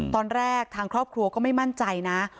ตอนแรกทางครอบครัวก็ไม่มั่นใจนะ